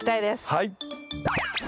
はい。